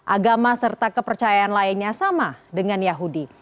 agama serta kepercayaan lainnya sama dengan yahudi